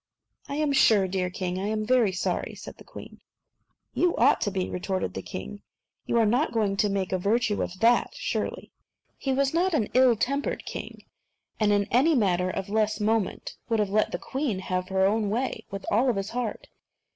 "I am sure, dear king, I am very sorry," said the queen. "So you ought to be," retorted the king; "you are not going to make a virtue of that, surely." But he was not an ill tempered king, and in any matter of less moment would have let the queen have her own way with all his heart.